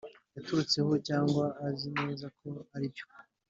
yaturutseho cyangwa azi neza ko aribyo